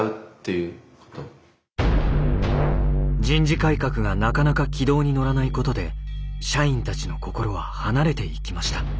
人事改革がなかなか軌道に乗らないことで社員たちの心は離れていきました。